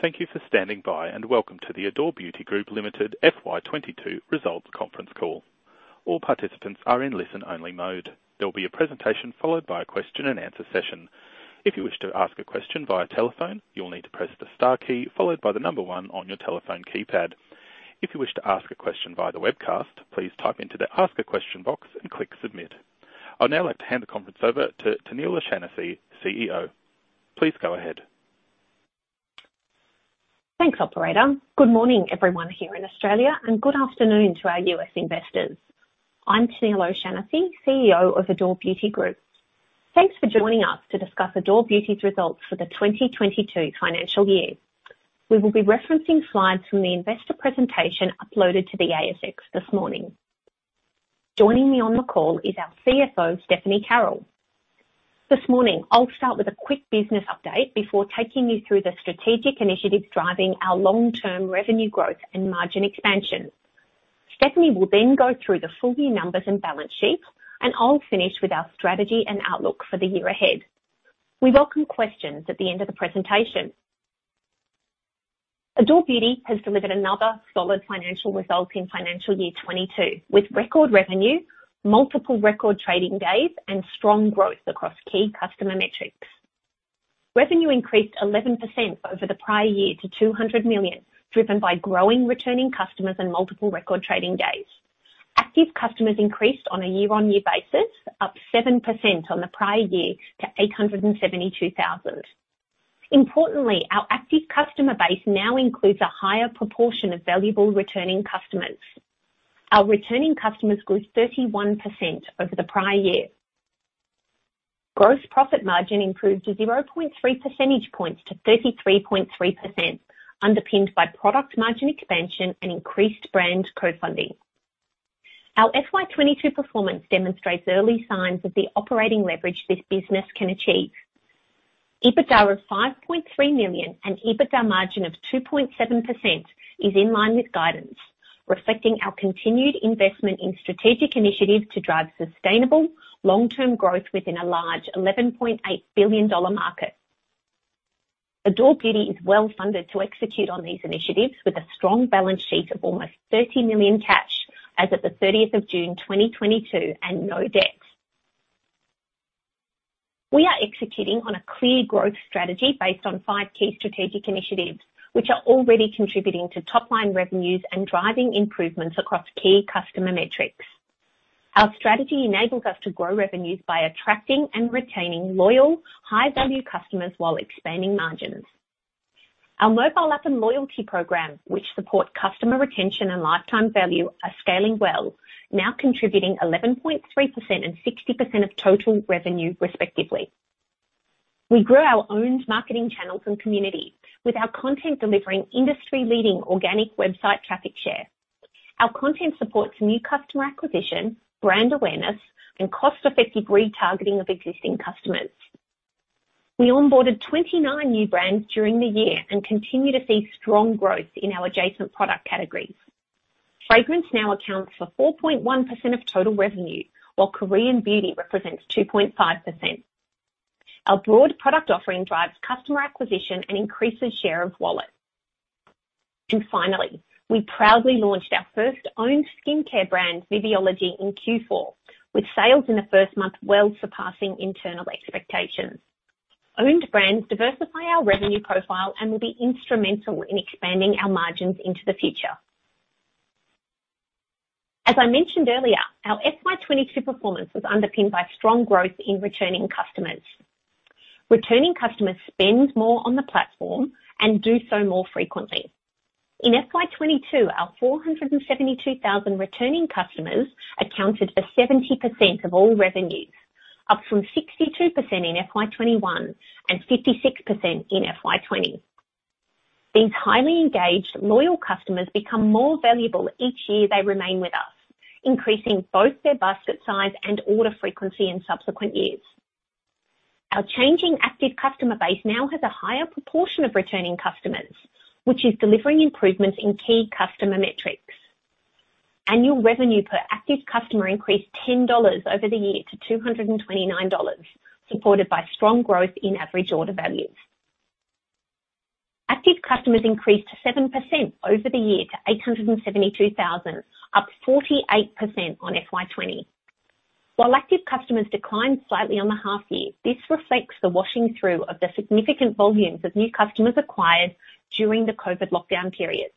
Thank you for standing by, and welcome to the Adore Beauty Group Limited FY 2022 Results Conference Call. All participants are in listen-only mode. There will be a presentation followed by a question and answer session. If you wish to ask a question via telephone, you'll need to press the star key followed by the number one on your telephone keypad. If you wish to ask a question via the webcast, please type into the Ask a Question box and click Submit. I'd now like to hand the conference over to Tennealle O'Shannessy, CEO. Please go ahead. Thanks, operator. Good morning, everyone here in Australia, and good afternoon to our U.S. investors. I'm Tennealle O'Shannessy, CEO of Adore Beauty Group. Thanks for joining us to discuss Adore Beauty's results for the 2022 financial year. We will be referencing slides from the investor presentation uploaded to the ASX this morning. Joining me on the call is our CFO, Stephanie Carroll. This morning, I'll start with a quick business update before taking you through the strategic initiatives driving our long-term revenue growth and margin expansion. Stephanie will then go through the full year numbers and balance sheets, and I'll finish with our strategy and outlook for the year ahead. We welcome questions at the end of the presentation. Adore Beauty has delivered another solid financial result in financial year 2022, with record revenue, multiple record trading days, and strong growth across key customer metrics. Revenue increased 11% over the prior year to 200 million, driven by growing, returning customers and multiple record trading days. Active customers increased on a year-on-year basis, up 7% on the prior year to 872,000. Importantly, our active customer base now includes a higher proportion of valuable returning customers. Our returning customers grew 31% over the prior year. Gross profit margin improved by 0.3 percentage points to 33.3%, underpinned by product margin expansion and increased brand co-funding. Our FY 2022 performance demonstrates early signs of the operating leverage this business can achieve. EBITDA of 5.3 million and EBITDA margin of 2.7% is in line with guidance, reflecting our continued investment in strategic initiatives to drive sustainable long-term growth within a large 11.8 billion-dollar market. Adore Beauty is well funded to execute on these initiatives with a strong balance sheet of almost 30 million cash as of the 30th of June 2022 and no debts. We are executing on a clear growth strategy based on five key strategic initiatives, which are already contributing to top-line revenues and driving improvements across key customer metrics. Our strategy enables us to grow revenues by attracting and retaining loyal, high-value customers while expanding margins. Our mobile app and loyalty programs, which support customer retention and lifetime value, are scaling well, now contributing 11.3% and 60% of total revenue, respectively. We grew our own marketing channels and communities with our content delivering industry-leading organic website traffic share. Our content supports new customer acquisition, brand awareness and cost-effective retargeting of existing customers. We onboarded 29 new brands during the year and continue to see strong growth in our adjacent product categories. Fragrance now accounts for 4.1% of total revenue, while Korean beauty represents 2.5%. Our broad product offering drives customer acquisition and increases share of wallet. Finally, we proudly launched our first own skincare brand, Viviology, in Q4, with sales in the first month well surpassing internal expectations. Owned brands diversify our revenue profile and will be instrumental in expanding our margins into the future. As I mentioned earlier, our FY 2022 performance was underpinned by strong growth in returning customers. Returning customers spend more on the platform and do so more frequently. In FY 2022, our 472,000 returning customers accounted for 70% of all revenues, up from 62% in FY 2021 and 56% in FY 2020. These highly engaged loyal customers become more valuable each year they remain with us, increasing both their basket size and order frequency in subsequent years. Our changing active customer base now has a higher proportion of returning customers, which is delivering improvements in key customer metrics. Annual revenue per active customer increased 10 dollars over the year to 229 dollars, supported by strong growth in average order values. Active customers increased 7% over the year to 872,000, up 48% on FY 2020. While active customers declined slightly on the half year, this reflects the washing through of the significant volumes of new customers acquired during the COVID lockdown periods.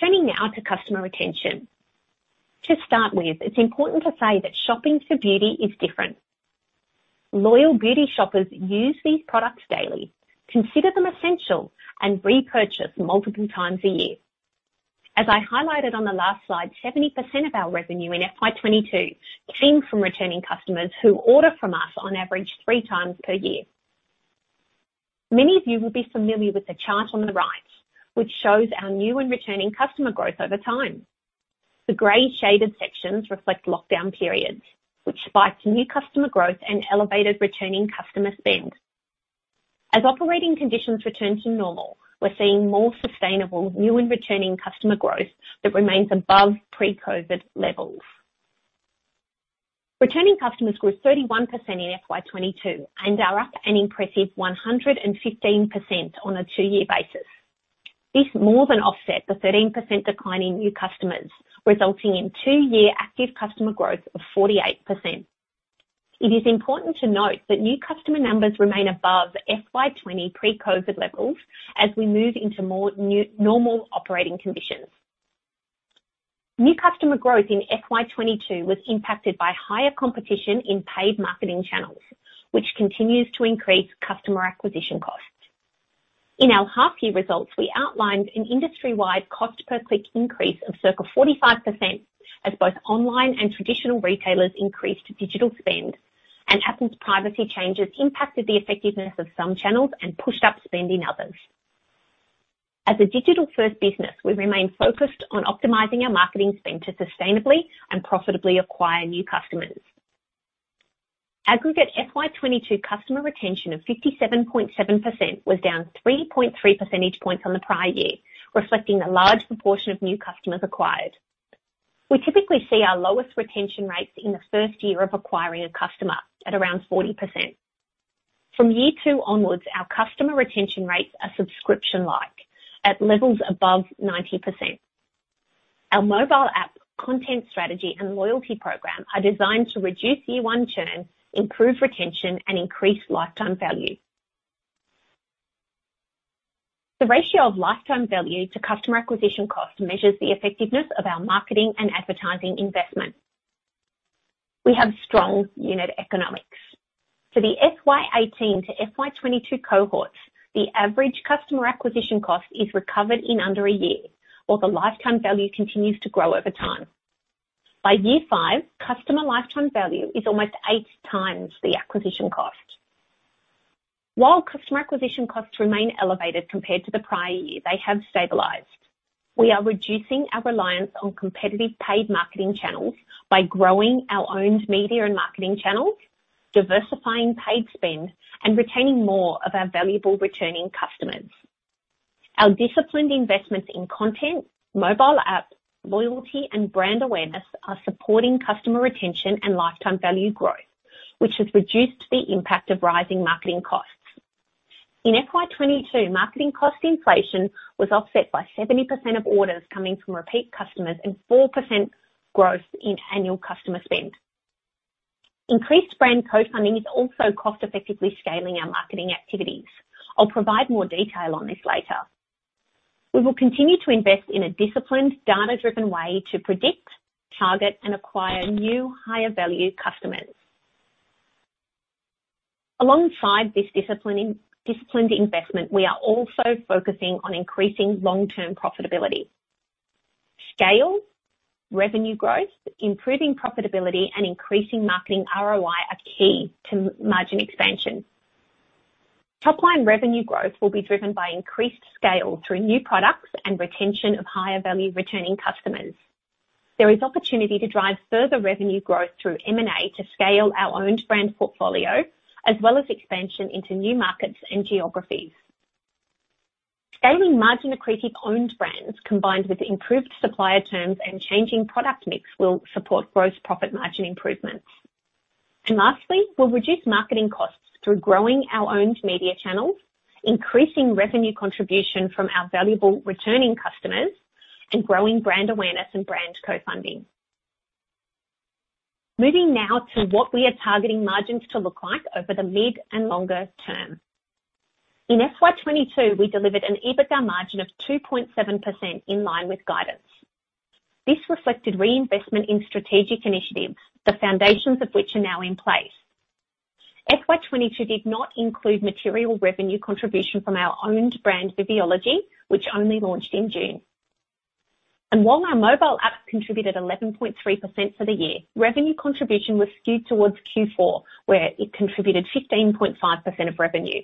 Turning now to customer retention. To start with, it's important to say that shopping for beauty is different. Loyal beauty shoppers use these products daily, consider them essential, and repurchase multiple times a year. As I highlighted on the last slide, 70% of our revenue in FY 2022 came from returning customers who order from us on average three times per year. Many of you will be familiar with the chart on the right, which shows our new and returning customer growth over time. The gray shaded sections reflect lockdown periods, which spiked new customer growth and elevated returning customer spend. As operating conditions return to normal, we're seeing more sustainable new and returning customer growth that remains above pre-COVID levels. Returning customers grew 31% in FY 2022 and are up an impressive 115% on a two-year basis. This more than offset the 13% decline in new customers, resulting in two-year active customer growth of 48%. It is important to note that new customer numbers remain above FY 2020 pre-COVID levels as we move into more normal operating conditions. New customer growth in FY 2022 was impacted by higher competition in paid marketing channels, which continues to increase customer acquisition costs. In our half year results, we outlined an industry-wide cost per click increase of circa 45% as both online and traditional retailers increased digital spend, and Apple's privacy changes impacted the effectiveness of some channels and pushed up spend in others. As a digital-first business, we remain focused on optimizing our marketing spend to sustainably and profitably acquire new customers. Aggregate FY 2022 customer retention of 57.7% was down 3.3 percentage points on the prior year, reflecting a large proportion of new customers acquired. We typically see our lowest retention rates in the first year of acquiring a customer at around 40%. From year two onwards, our customer retention rates are subscription-like at levels above 90%. Our mobile app content strategy and loyalty program are designed to reduce year one churn, improve retention and increase lifetime value. The ratio of lifetime value to customer acquisition cost measures the effectiveness of our marketing and advertising investment. We have strong unit economics. For the FY 2018 to FY 2022 cohorts, the average customer acquisition cost is recovered in under a year, while the lifetime value continues to grow over time. By year five, customer lifetime value is almost 8 times the acquisition cost. While customer acquisition costs remain elevated compared to the prior year, they have stabilized. We are reducing our reliance on competitive paid marketing channels by growing our owned media and marketing channels, diversifying paid spend, and retaining more of our valuable returning customers. Our disciplined investments in content, mobile apps, loyalty and brand awareness are supporting customer retention and lifetime value growth, which has reduced the impact of rising marketing costs. In FY 2022, marketing cost inflation was offset by 70% of orders coming from repeat customers and 4% growth in annual customer spend. Increased brand co-funding is also cost-effectively scaling our marketing activities. I'll provide more detail on this later. We will continue to invest in a disciplined, data-driven way to predict, target, and acquire new higher value customers. Alongside this disciplined investment, we are also focusing on increasing long-term profitability. Scale, revenue growth, improving profitability and increasing marketing ROI are key to margin expansion. Top line revenue growth will be driven by increased scale through new products and retention of higher value returning customers. There is opportunity to drive further revenue growth through M&A to scale our owned brand portfolio, as well as expansion into new markets and geographies. Scaling margin-accretive owned brands, combined with improved supplier terms and changing product mix, will support gross profit margin improvements. Lastly, we'll reduce marketing costs through growing our owned media channels, increasing revenue contribution from our valuable returning customers, and growing brand awareness and brand co-funding. Moving now to what we are targeting margins to look like over the mid and longer term. In FY 2022, we delivered an EBITDA margin of 2.7% in line with guidance. This reflected reinvestment in strategic initiatives, the foundations of which are now in place. FY 2022 did not include material revenue contribution from our owned brand, Viviology, which only launched in June. While our mobile app contributed 11.3% for the year, revenue contribution was skewed towards Q4, where it contributed 15.5% of revenue.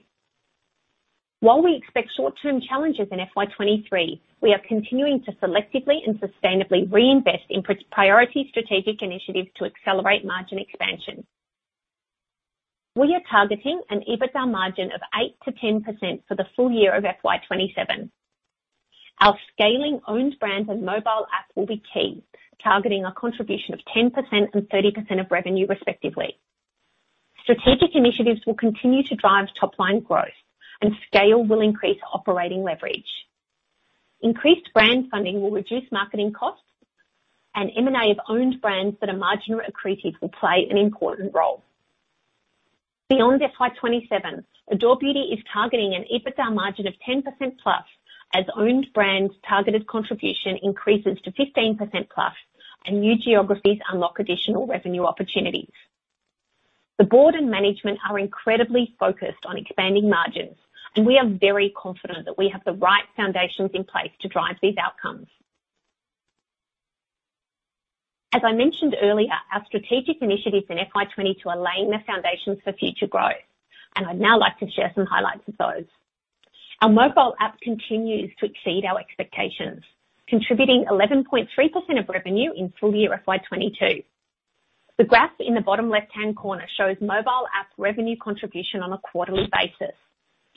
While we expect short-term challenges in FY 2023, we are continuing to selectively and sustainably reinvest in priority strategic initiatives to accelerate margin expansion. We are targeting an EBITDA margin of 8%-10% for the full year of FY 2027. Our scaling owned brands and mobile app will be key, targeting a contribution of 10% and 30% of revenue, respectively. Strategic initiatives will continue to drive top line growth, and scale will increase operating leverage. Increased brand funding will reduce marketing costs, and M&A of owned brands that are marginally accretive will play an important role. Beyond FY 2027, Adore Beauty is targeting an EBITDA margin of 10%+ as owned brands targeted contribution increases to 15%+ and new geographies unlock additional revenue opportunities. The board and management are incredibly focused on expanding margins, and we are very confident that we have the right foundations in place to drive these outcomes. As I mentioned earlier, our strategic initiatives in FY 2022 are laying the foundations for future growth, and I'd now like to share some highlights of those. Our mobile app continues to exceed our expectations, contributing 11.3% of revenue in full year FY 2022. The graph in the bottom left-hand corner shows mobile app revenue contribution on a quarterly basis.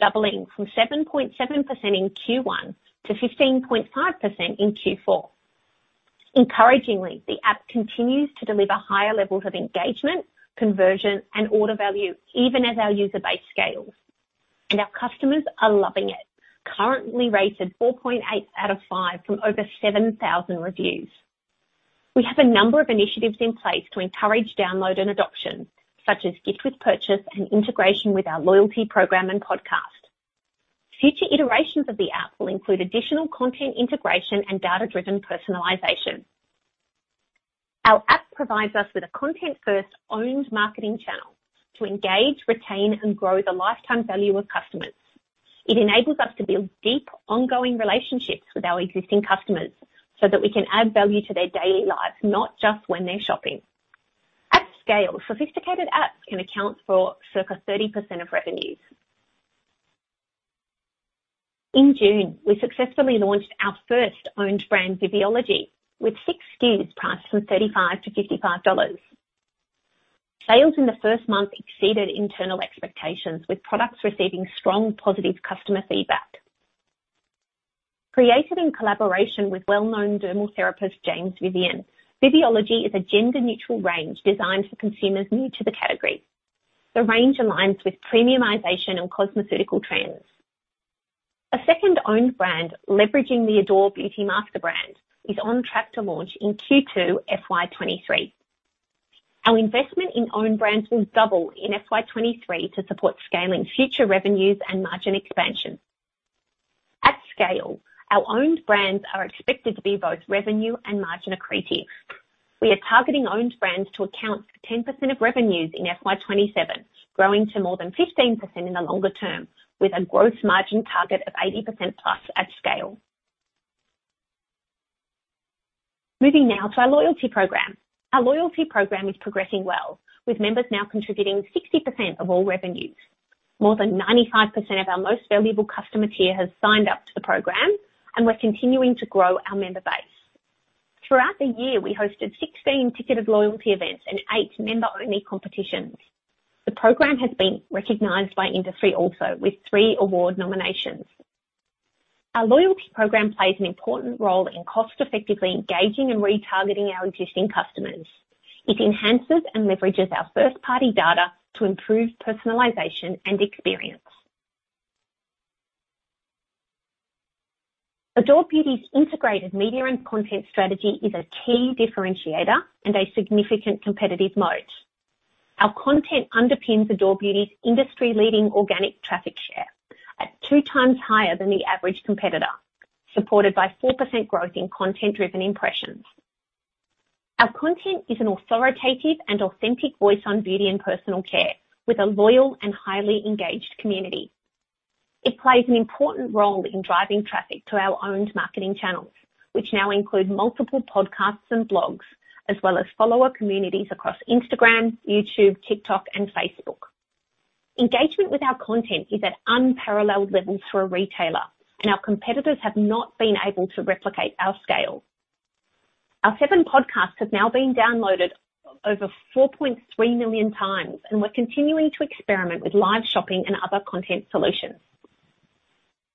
Doubling from 7.7% in Q1 to 15.5% in Q4. Encouragingly, the app continues to deliver higher levels of engagement, conversion, and order value even as our user base scales. Our customers are loving it. Currently rated 4.8 out of 5 from over 7,000 reviews. We have a number of initiatives in place to encourage download and adoption, such as gift with purchase and integration with our loyalty program and podcast. Future iterations of the app will include additional content integration and data-driven personalization. Our app provides us with a content-first owned marketing channel to engage, retain, and grow the lifetime value of customers. It enables us to build deep, ongoing relationships with our existing customers so that we can add value to their daily lives, not just when they're shopping. At scale, sophisticated apps can account for circa 30% of revenues. In June, we successfully launched our first owned brand, Viviology, with six SKUs priced from 35-55 dollars. Sales in the first month exceeded internal expectations, with products receiving strong positive customer feedback. Created in collaboration with well-known Dermal Therapist James Vivian, Viviology is a gender-neutral range designed for consumers new to the category. The range aligns with premiumization and cosmeceutical trends. A second owned brand leveraging the Adore Beauty master brand is on track to launch in Q2 FY 2023. Our investment in own brands will double in FY 2023 to support scaling future revenues and margin expansion. At scale, our owned brands are expected to be both revenue and margin accretive. We are targeting owned brands to account for 10% of revenues in FY 2027, growing to more than 15% in the longer term, with a gross margin target of 80%+ at scale. Moving now to our loyalty program. Our loyalty program is progressing well, with members now contributing 60% of all revenues. More than 95% of our most valuable customer tier has signed up to the program, and we're continuing to grow our member base. Throughout the year, we hosted 16 ticketed loyalty events and 8 member-only competitions. The program has been recognized by industry also, with three award nominations. Our loyalty program plays an important role in cost effectively engaging and retargeting our existing customers. It enhances and leverages our first-party data to improve personalization and experience. Adore Beauty's integrated media and content strategy is a key differentiator and a significant competitive moat. Our content underpins Adore Beauty's industry-leading organic traffic share at 2x higher than the average competitor, supported by 4% growth in content-driven impressions. Our content is an authoritative and authentic voice on beauty and personal care with a loyal and highly engaged community. It plays an important role in driving traffic to our owned marketing channels, which now include multiple podcasts and blogs, as well as follower communities across Instagram, YouTube, TikTok, and Facebook. Engagement with our content is at unparalleled levels for a retailer, and our competitors have not been able to replicate our scale. Our seven podcasts have now been downloaded over 4.3 million times, and we're continuing to experiment with live shopping and other content solutions.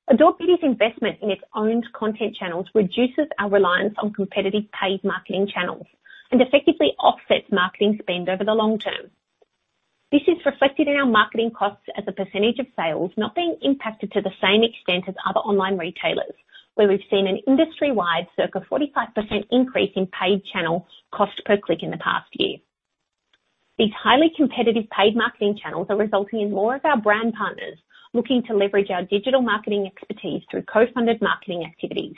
Adore Beauty's investment in its owned content channels reduces our reliance on competitive paid marketing channels and effectively offsets marketing spend over the long term. This is reflected in our marketing costs as a percentage of sales not being impacted to the same extent as other online retailers, where we've seen an industry-wide circa 45% increase in paid channel cost per click in the past year. These highly competitive paid marketing channels are resulting in more of our brand partners looking to leverage our digital marketing expertise through co-funded marketing activities.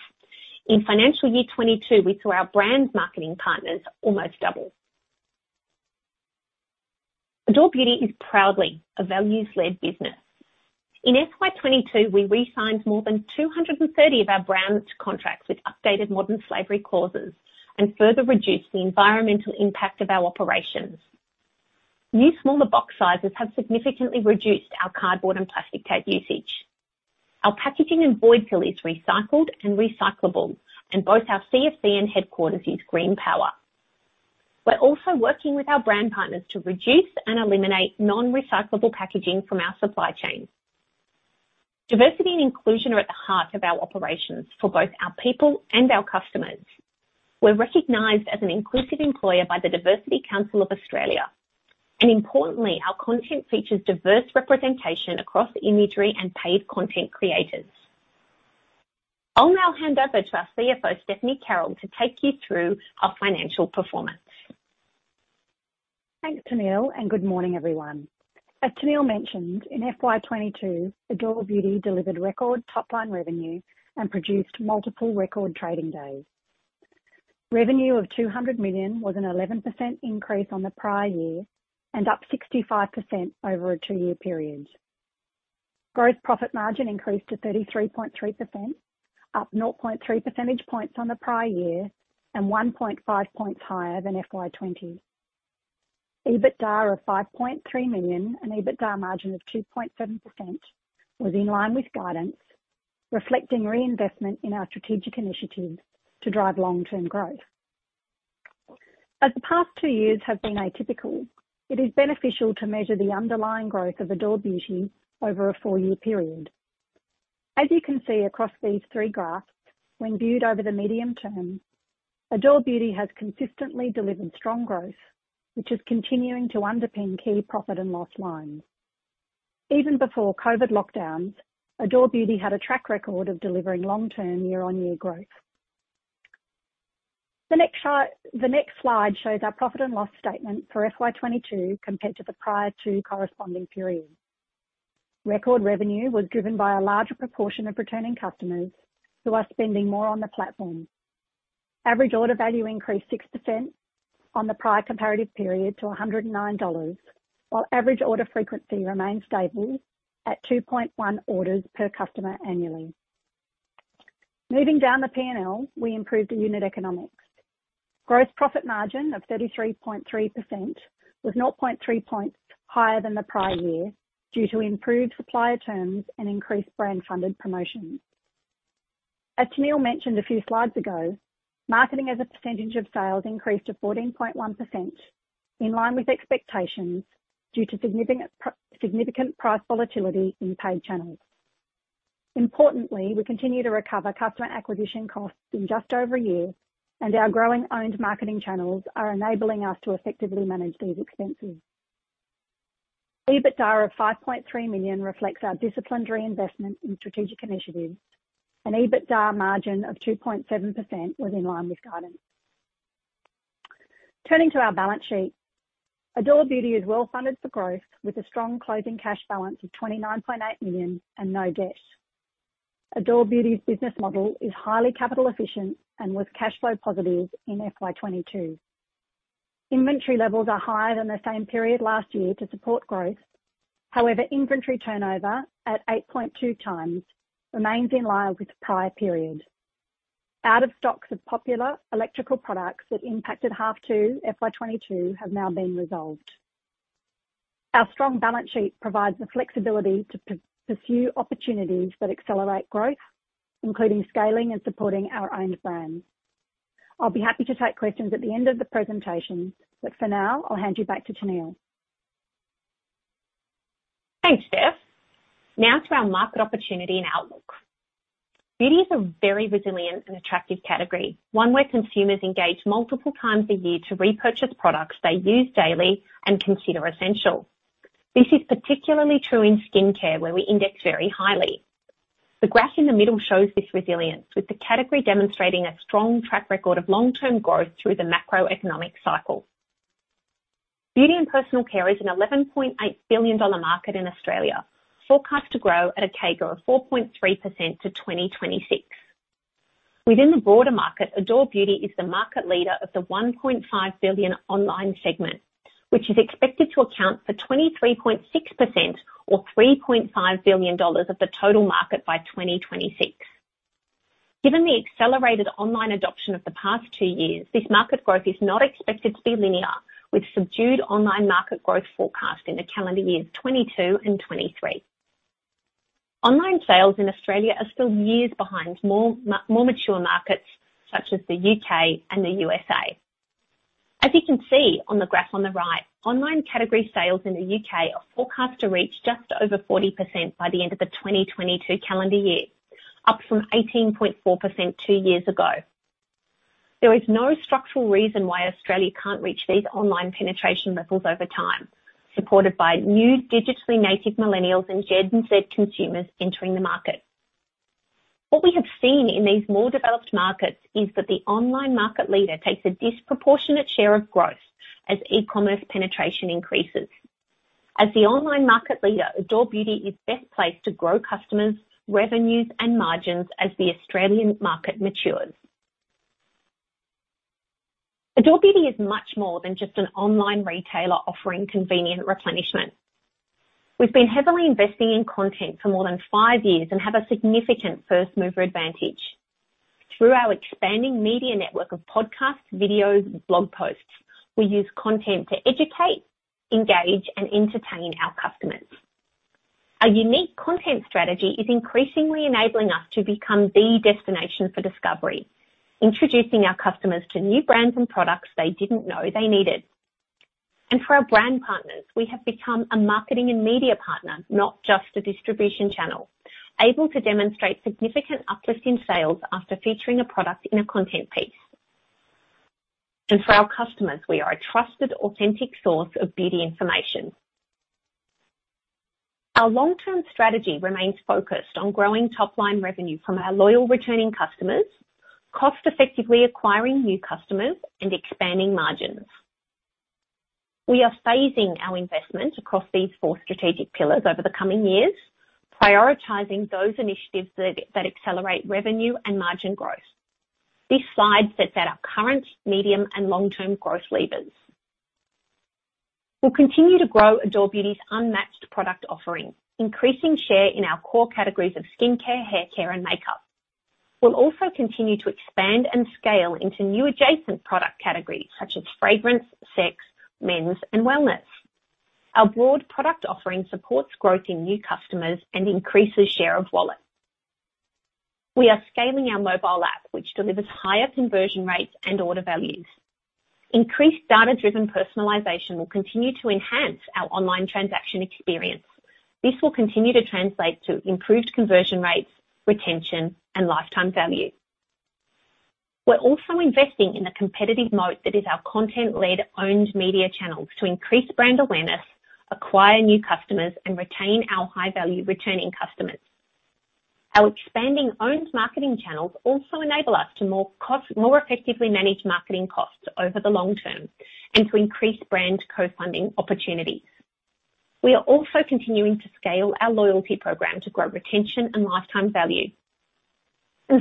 In financial year 2022, we saw our brand marketing partners almost double. Adore Beauty is proudly a values-led business. In FY 2022, we re-signed more than 230 of our brands to contracts with updated Modern Slavery clauses and further reduced the environmental impact of our operations. New smaller box sizes have significantly reduced our cardboard and plastic tape usage. Our packaging and void fill is recycled and recyclable, and both our CFC and headquarters use green power. We're also working with our brand partners to reduce and eliminate non-recyclable packaging from our supply chain. Diversity and inclusion are at the heart of our operations for both our people and our customers. We're recognized as an inclusive employer by the Diversity Council Australia, and importantly, our content features diverse representation across imagery and paid content creators. I'll now hand over to our CFO, Stephanie Carroll, to take you through our financial performance. Thanks, Tennealle O'Shannessy, and good morning, everyone. Tennealle O'Shannessy mentioned, in FY 2022, Adore Beauty delivered record top-line revenue and produced multiple record trading days. Revenue of 200 million was an 11% increase on the prior year and up 65% over a two-year period. Gross profit margin increased to 33.3%, up 0.3 percentage points on the prior year and 1.5 points higher than FY 2020. EBITDA of 5.3 million and EBITDA margin of 2.7% was in line with guidance, reflecting reinvestment in our strategic initiatives to drive long-term growth. The past two years have been atypical, it is beneficial to measure the underlying growth of Adore Beauty over a four-year period. As you can see across these three graphs, when viewed over the medium term, Adore Beauty has consistently delivered strong growth, which is continuing to underpin key profit and loss lines. Even before COVID lockdowns, Adore Beauty had a track record of delivering long-term year-on-year growth. The next slide shows our profit and loss statement for FY 2022 compared to the prior two corresponding periods. Record revenue was driven by a larger proportion of returning customers who are spending more on the platform. Average order value increased 6% on the prior comparative period to 109 dollars, while average order frequency remained stable at 2.1 orders per customer annually. Moving down the P&L, we improved the unit economics. Gross profit margin of 33.3% was 0.3 points higher than the prior year due to improved supplier terms and increased brand-funded promotions. As Tennealle mentioned a few slides ago, marketing as a percentage of sales increased to 14.1%, in line with expectations due to significant price volatility in paid channels. Importantly, we continue to recover customer acquisition costs in just over a year, and our growing owned marketing channels are enabling us to effectively manage these expenses. EBITDA of 5.3 million reflects our disciplined reinvestment in strategic initiatives, and EBITDA margin of 2.7% was in line with guidance. Turning to our balance sheet, Adore Beauty is well funded for growth with a strong closing cash balance of 29.8 million and no debt. Adore Beauty's business model is highly capital efficient and was cash flow positive in FY 2022. Inventory levels are higher than the same period last year to support growth. However, inventory turnover at 8.2x remains in line with the prior period. Out of stocks of popular electrical products that impacted H2 FY 2022 have now been resolved. Our strong balance sheet provides the flexibility to pursue opportunities that accelerate growth, including scaling and supporting our owned brands. I'll be happy to take questions at the end of the presentation, but for now, I'll hand you back to Tennealle. Thanks, Steph. Now to our market opportunity and outlook. Beauty is a very resilient and attractive category, one where consumers engage multiple times a year to repurchase products they use daily and consider essential. This is particularly true in skincare where we index very highly. The graph in the middle shows this resilience, with the category demonstrating a strong track record of long-term growth through the macroeconomic cycle. Beauty and personal care is an 11.8 billion dollar market in Australia, forecast to grow at a CAGR of 4.3% to 2026. Within the broader market, Adore Beauty is the market leader of the 1.5 billion online segment, which is expected to account for 23.6% or 3.5 billion dollars of the total market by 2026. Given the accelerated online adoption of the past two years, this market growth is not expected to be linear, with subdued online market growth forecast in the calendar years 2022 and 2023. Online sales in Australia are still years behind more mature markets such as the U.K. and the U.S. As you can see on the graph on the right, online category sales in the U.K. are forecast to reach just over 40% by the end of the 2022 calendar year, up from 18.4% two years ago. There is no structural reason why Australia can't reach these online penetration levels over time, supported by new digitally native Millennials and Gen Z consumers entering the market. What we have seen in these more developed markets is that the online market leader takes a disproportionate share of growth as e-commerce penetration increases. As the online market leader, Adore Beauty is best placed to grow customers, revenues, and margins as the Australian market matures. Adore Beauty is much more than just an online retailer offering convenient replenishment. We've been heavily investing in content for more than five years and have a significant first-mover advantage. Through our expanding media network of podcasts, videos, and blog posts, we use content to educate, engage, and entertain our customers. Our unique content strategy is increasingly enabling us to become the destination for discovery, introducing our customers to new brands and products they didn't know they needed. For our brand partners, we have become a marketing and media partner, not just a distribution channel, able to demonstrate significant uplift in sales after featuring a product in a content piece. For our customers, we are a trusted, authentic source of beauty information. Our long-term strategy remains focused on growing top-line revenue from our loyal, returning customers, cost-effectively acquiring new customers, and expanding margins. We are phasing our investment across these four strategic pillars over the coming years, prioritizing those initiatives that accelerate revenue and margin growth. This slide sets out our current, medium, and long-term growth levers. We'll continue to grow Adore Beauty's unmatched product offering, increasing share in our core categories of skincare, haircare, and makeup. We'll also continue to expand and scale into new adjacent product categories such as fragrance, sex, men's, and wellness. Our broad product offering supports growth in new customers and increases share of wallet. We are scaling our mobile app, which delivers higher conversion rates and order values. Increased data-driven personalization will continue to enhance our online transaction experience. This will continue to translate to improved conversion rates, retention, and lifetime value. We're also investing in the competitive mode that is our content-led owned media channels to increase brand awareness, acquire new customers, and retain our high-value returning customers. Our expanding owned marketing channels also enable us to more effectively manage marketing costs over the long term and to increase brand co-funding opportunities. We are also continuing to scale our loyalty program to grow retention and lifetime value.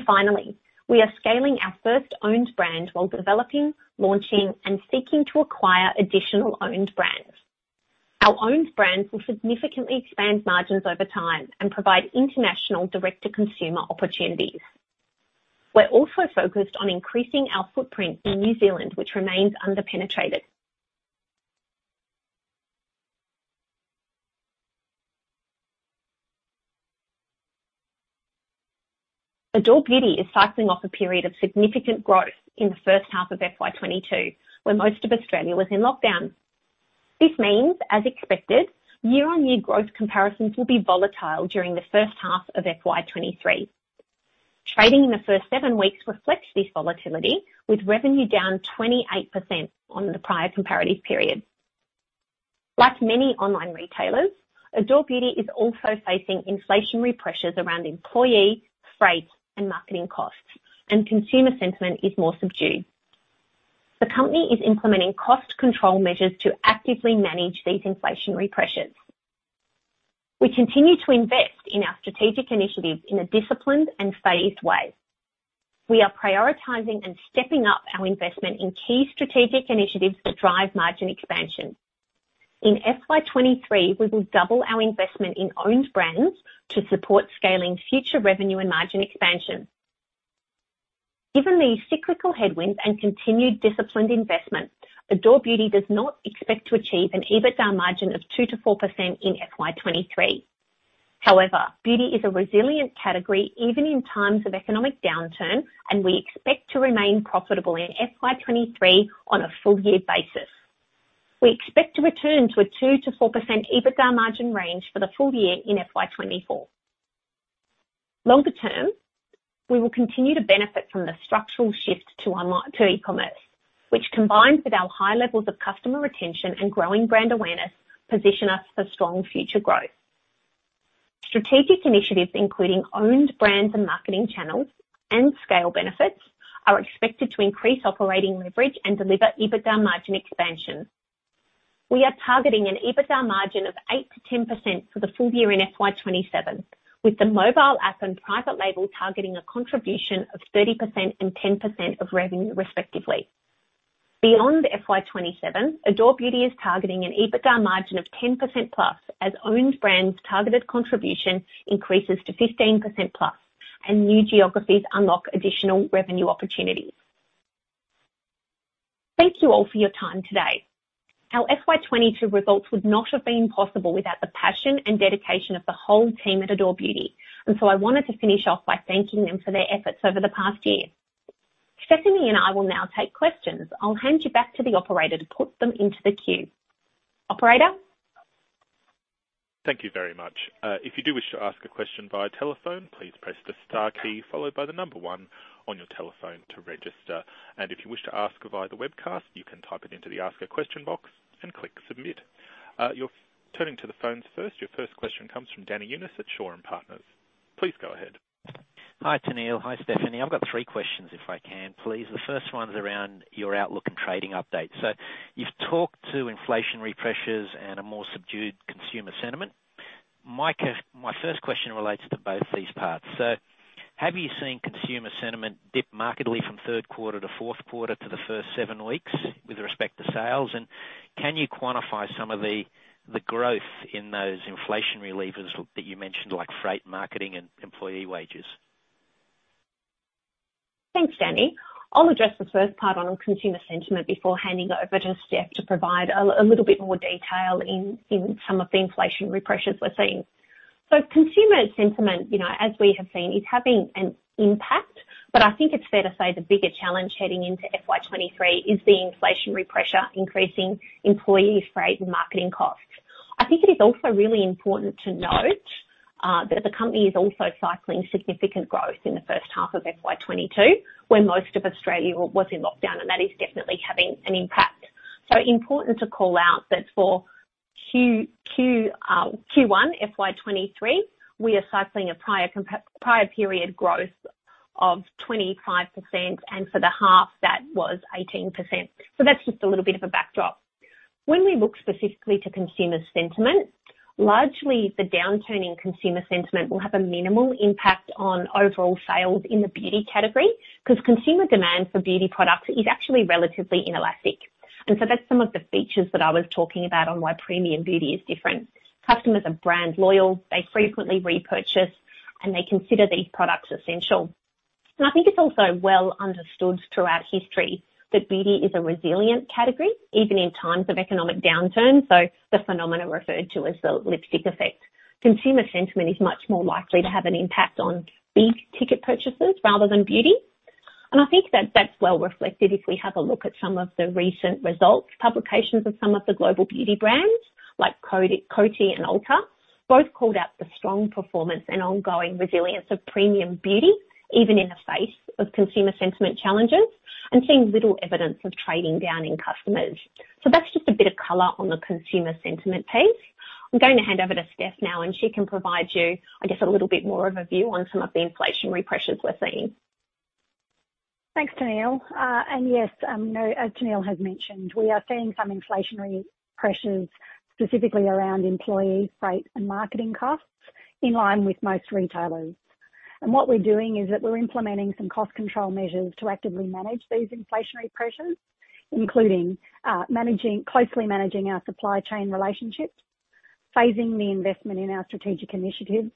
Finally, we are scaling our first owned brand while developing, launching, and seeking to acquire additional owned brands. Our owned brands will significantly expand margins over time and provide international direct-to-consumer opportunities. We're also focused on increasing our footprint in New Zealand, which remains under-penetrated. Adore Beauty is cycling off a period of significant growth in the first half of FY 2022, when most of Australia was in lockdown. This means, as expected, year-on-year growth comparisons will be volatile during the first half of FY 2023. Trading in the first seven weeks reflects this volatility, with revenue down 28% on the prior comparative period. Like many online retailers, Adore Beauty is also facing inflationary pressures around employee, freight, and marketing costs, and consumer sentiment is more subdued. The company is implementing cost control measures to actively manage these inflationary pressures. We continue to invest in our strategic initiatives in a disciplined and phased way. We are prioritizing and stepping up our investment in key strategic initiatives that drive margin expansion. In FY 2023, we will double our investment in owned brands to support scaling future revenue and margin expansion. Given the cyclical headwinds and continued disciplined investment, Adore Beauty does not expect to achieve an EBITDA margin of 2%-4% in FY 2023. However, beauty is a resilient category even in times of economic downturn, and we expect to remain profitable in FY 2023 on a full year basis. We expect to return to a 2%-4% EBITDA margin range for the full year in FY 2024. Longer term, we will continue to benefit from the structural shift to e-commerce, which, combined with our high levels of customer retention and growing brand awareness, position us for strong future growth. Strategic initiatives, including owned brands and marketing channels and scale benefits, are expected to increase operating leverage and deliver EBITDA margin expansion. We are targeting an EBITDA margin of 8%-10% for the full year in FY 2027, with the mobile app and private label targeting a contribution of 30% and 10% of revenue respectively. Beyond FY 2027, Adore Beauty is targeting an EBITDA margin of 10%+ as owned brands targeted contribution increases to 15%+ and new geographies unlock additional revenue opportunities. Thank you all for your time today. Our FY 2022 results would not have been possible without the passion and dedication of the whole team at Adore Beauty, and so I wanted to finish off by thanking them for their efforts over the past year. Stephanie and I will now take questions. I'll hand you back to the operator to put them into the queue. Operator? Thank you very much. If you do wish to ask a question via telephone, please press the star key followed by the number one on your telephone to register. If you wish to ask via the webcast, you can type it into the Ask a Question box and click Submit. You're turning to the phones first. Your first question comes from Danny Yunis at Shoreham Partners. Please go ahead. Hi, Tennealle. Hi, Stephanie. I've got three questions, if I can, please. The first one's around your outlook and trading update. You've talked to inflationary pressures and a more subdued consumer sentiment. My first question relates to both these parts. Have you seen consumer sentiment dip markedly from third quarter to fourth quarter to the first seven weeks with respect to sales? And can you quantify some of the growth in those inflationary levers that you mentioned, like freight, marketing, and employee wages? Thanks, Danny. I'll address the first part on consumer sentiment before handing over to Steph to provide a little bit more detail in some of the inflationary pressures we're seeing. Consumer sentiment, you know, as we have seen, is having an impact, but I think it's fair to say the bigger challenge heading into FY 2023 is the inflationary pressure increasing employee, freight, and marketing costs. I think it is also really important to note that the company is also cycling significant growth in the first half of FY 2022, when most of Australia was in lockdown, and that is definitely having an impact. Important to call out that for Q1 FY 2023, we are cycling a prior period growth of 25%, and for the half, that was 18%. That's just a little bit of a backdrop. When we look specifically to consumer sentiment, largely the downturn in consumer sentiment will have a minimal impact on overall sales in the beauty category 'cause consumer demand for beauty products is actually relatively inelastic. That's some of the features that I was talking about on why premium beauty is different. Customers are brand loyal, they frequently repurchase, and they consider these products essential. I think it's also well understood throughout history that beauty is a resilient category even in times of economic downturn. The phenomena referred to as the lipstick effect. Consumer sentiment is much more likely to have an impact on big-ticket purchases rather than beauty. I think that that's well reflected if we have a look at some of the recent results. Publications of some of the global beauty brands like Coty and Ulta both called out the strong performance and ongoing resilience of premium beauty, even in the face of consumer sentiment challenges and seeing little evidence of trading down in customers. That's just a bit of color on the consumer sentiment piece. I'm going to hand over to Steph now, and she can provide you, I guess, a little bit more of a view on some of the inflationary pressures we're seeing. Thanks, Tennealle O'Shannessy. Yes, you know, as Tennealle O'Shannessy has mentioned, we are seeing some inflationary pressures, specifically around employee freight and marketing costs in line with most retailers. What we're doing is that we're implementing some cost control measures to actively manage these inflationary pressures, including closely managing our supply chain relationships, phasing the investment in our strategic initiatives,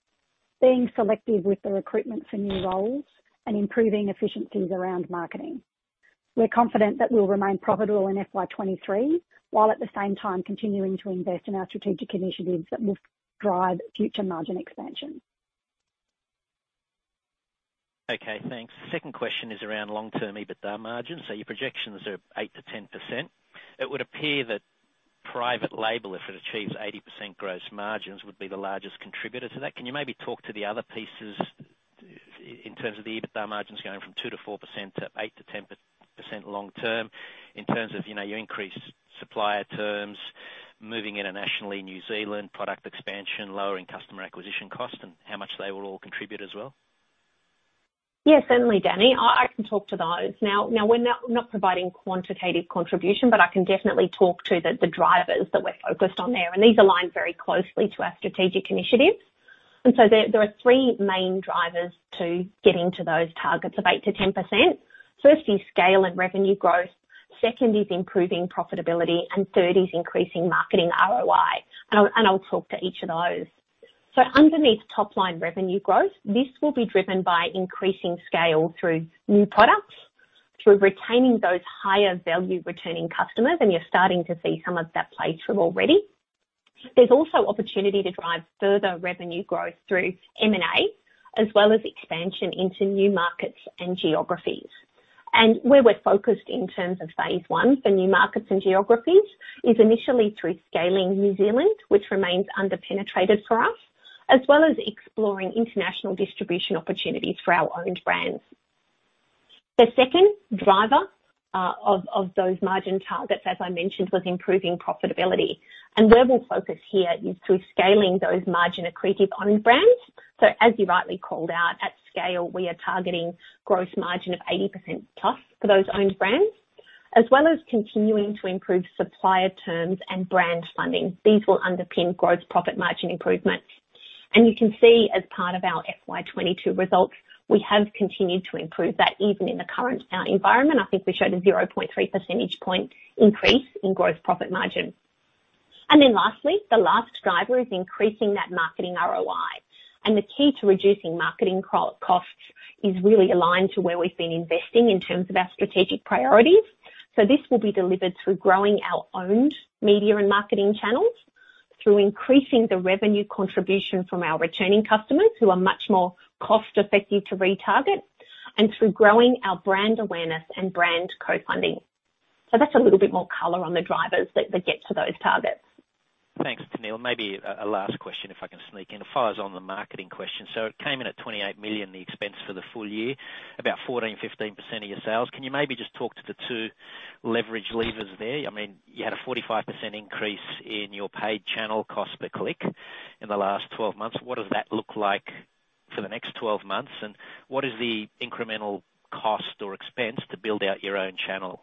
being selective with the recruitment for new roles, and improving efficiencies around marketing. We're confident that we'll remain profitable in FY 2023, while at the same time continuing to invest in our strategic initiatives that will drive future margin expansion. Okay, thanks. Second question is around long-term EBITDA margins. Your projections are 8%-10%. It would appear that private label, if it achieves 80% gross margins, would be the largest contributor to that. Can you maybe talk to the other pieces in terms of the EBITDA margins going from 2%-4% to 8%-10% long term in terms of, you know, your increased supplier terms, moving internationally, New Zealand product expansion, lowering customer acquisition cost, and how much they will all contribute as well? Yes, certainly, Danny. I can talk to those. Now we're not providing quantitative contribution, but I can definitely talk to the drivers that we're focused on there. These align very closely to our strategic initiatives. There are three main drivers to getting to those targets of 8%-10%. First is scale and revenue growth, second is improving profitability, and third is increasing marketing ROI. I'll talk to each of those. Underneath top-line revenue growth, this will be driven by increasing scale through new products, through retaining those higher value returning customers, and you're starting to see some of that play through already. There's also opportunity to drive further revenue growth through M&A, as well as expansion into new markets and geographies. Where we're focused in terms of phase one for new markets and geographies is initially through scaling New Zealand, which remains under-penetrated for us, as well as exploring international distribution opportunities for our own brands. The second driver of those margin targets, as I mentioned, was improving profitability. Where we're focused here is through scaling those margin-accretive own brands. As you rightly called out, at scale, we are targeting gross margin of 80%+ for those owned brands, as well as continuing to improve supplier terms and brand funding. These will underpin gross profit margin improvements. You can see as part of our FY 2022 results, we have continued to improve that even in the current environment. I think we showed a 0.3 percentage point increase in gross profit margin. Then lastly, the last driver is increasing that marketing ROI. The key to reducing marketing costs is really aligned to where we've been investing in terms of our strategic priorities. This will be delivered through growing our owned media and marketing channels, through increasing the revenue contribution from our returning customers who are much more cost-effective to retarget and through growing our brand awareness and brand co-funding. That's a little bit more color on the drivers that get to those targets. Thanks, Tennealle. Maybe a last question, if I can sneak in, follows on the marketing question. It came in at 28 million, the expense for the full year, about 14%-15% of your sales. Can you maybe just talk to the two leverage levers there? I mean, you had a 45% increase in your paid channel cost per click in the last twelve months. What does that look like for the next twelve months? What is the incremental cost or expense to build out your own channel?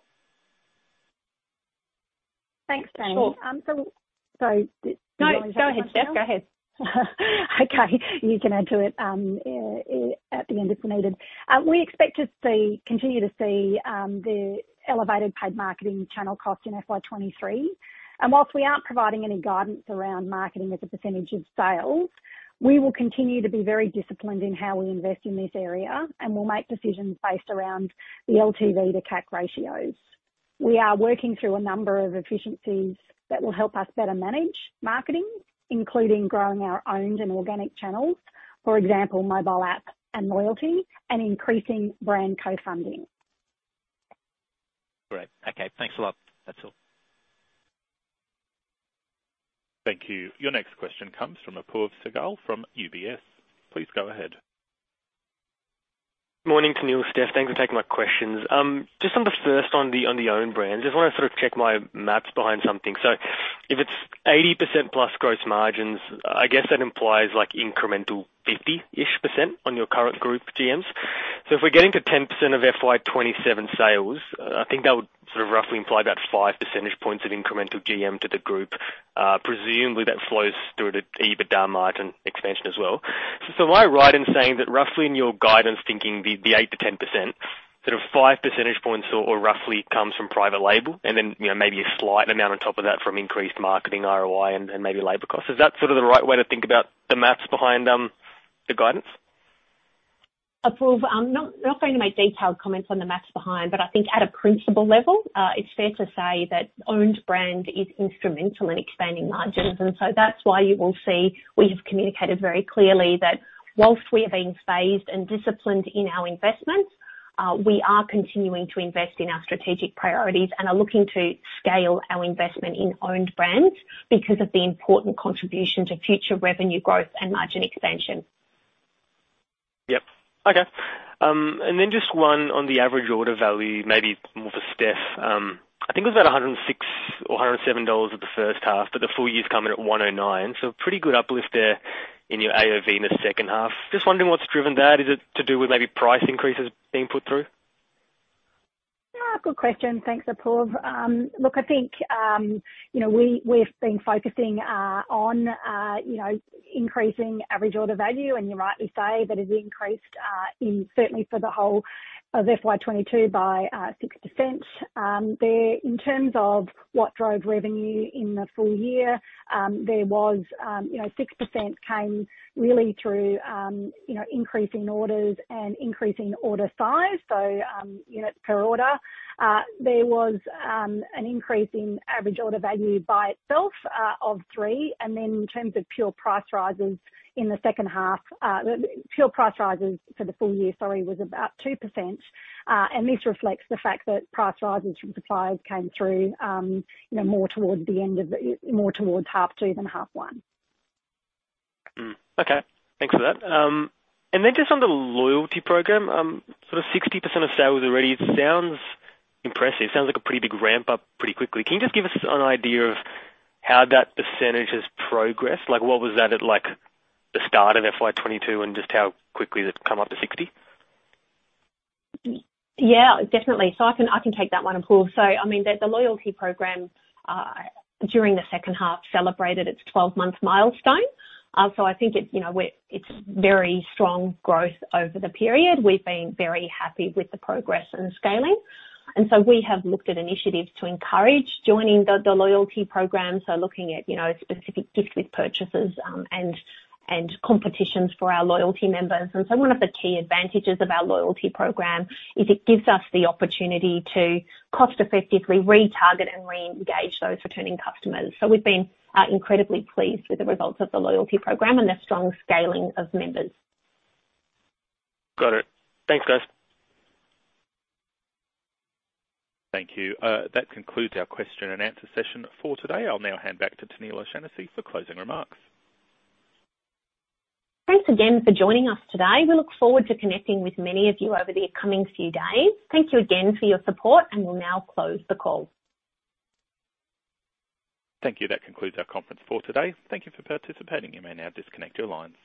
Thanks, Danny. Sure. Sorry. Do you wanna take that one, Tennealle? No. Go ahead, Steph. Go ahead. Okay. You can add to it at the end if needed. We expect to continue to see the elevated paid marketing channel cost in FY 2023. Whilst we aren't providing any guidance around marketing as a percentage of sales, we will continue to be very disciplined in how we invest in this area, and we'll make decisions based around the LTV to CAC ratios. We are working through a number of efficiencies that will help us better manage marketing, including growing our owned and organic channels, for example, mobile app and loyalty, and increasing brand co-funding. Great. Okay. Thanks a lot. That's all. Thank you. Your next question comes from Apoorv Sehgal from UBS. Please go ahead. Morning, Tennealle, Steph. Thanks for taking my questions. Just on the first, on the own brands, just wanna sort of check my maths behind something. If it's 80%+ gross margins, I guess that implies like incremental 50-ish% on your current group GMs. If we're getting to 10% of FY 2027 sales, I think that would sort of roughly imply about 5 percentage points of incremental GM to the group. Presumably, that flows through to EBITDA margin expansion as well. Am I right in saying that roughly in your guidance thinking the 8%-10% sort of 5 percentage points or roughly comes from private label and then, you know, maybe a slight amount on top of that from increased marketing ROI and maybe labor costs. Is that sort of the right way to think about the math behind the guidance? Apoorv, I'm not going to make detailed comments on the math behind, but I think at a principle level, it's fair to say that owned brand is instrumental in expanding margins. That's why you will see we have communicated very clearly that whilst we are being paced and disciplined in our investment, we are continuing to invest in our strategic priorities and are looking to scale our investment in owned brands because of the important contribution to future revenue growth and margin expansion. Yep. Okay. Just one on the average order value, maybe more for Steph. I think it was about 106 or 107 dollars at the first half, but the full year's coming in at 109. Pretty good uplift there in your AOV in the second half. Just wondering what's driven that. Is it to do with maybe price increases being put through? Yeah, good question. Thanks, Apoorv. Look, I think you know, we've been focusing on you know, increasing average order value, and you rightly say that it increased, certainly for the whole of FY 2022 by 6%. In terms of what drove revenue in the full year, there was you know, 6% came really through you know, increasing orders and increasing order size, so units per order. There was an increase in average order value by itself of 3%. In terms of pure price rises in the second half, pure price rises for the full year, sorry, was about 2%. This reflects the fact that price rises from suppliers came through, you know, more towards half two than half one. Okay. Thanks for that. Just on the loyalty program, sort of 60% of sales already sounds impressive. Sounds like a pretty big ramp up pretty quickly. Can you just give us an idea of how that percentage has progressed? Like, what was that at like the start of FY 2022 and just how quickly it's come up to 60%? Yeah, definitely. I can take that one, Apoorv. I mean the loyalty program during the second half celebrated its 12-month milestone. I think it's, you know, very strong growth over the period. We've been very happy with the progress and scaling. We have looked at initiatives to encourage joining the loyalty program, so looking at, you know, specific gifts with purchases, and competitions for our loyalty members. One of the key advantages of our loyalty program is it gives us the opportunity to cost effectively retarget and re-engage those returning customers. We've been incredibly pleased with the results of the loyalty program and the strong scaling of members. Got it. Thanks, guys. Thank you. That concludes our question and answer session for today. I'll now hand back to Tennealle O'Shannessy for closing remarks. Thanks again for joining us today. We look forward to connecting with many of you over the coming few days. Thank you again for your support, and we'll now close the call. Thank you. That concludes our conference for today. Thank you for participating. You may now disconnect your lines.